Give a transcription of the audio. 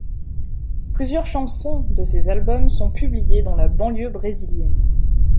Plusieurs chansons de ces albums sont publiées dans la banlieue brésilienne.